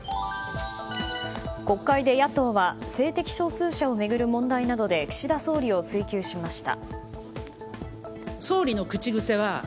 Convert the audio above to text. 国会で野党は性的少数者を巡る問題などで岸田総理を追及しました。